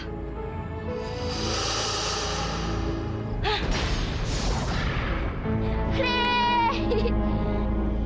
pemikiranmu sudah terburu buru